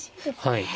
はい。